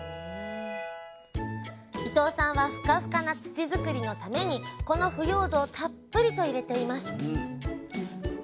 伊藤さんはふかふかな土作りのためにこの腐葉土をたっぷりと入れています